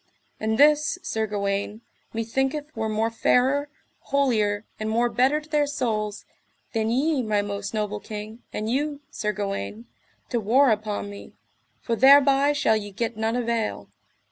And this, Sir Gawaine, methinketh were more fairer, holier, and more better to their souls, than ye, my most noble king, and you, Sir Gawaine, to war upon me, for thereby shall ye get none avail.